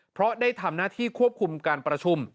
เพราะได้ทำหน้าที่ควบคุมการประชุม